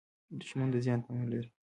دښمن د زیان تمه لري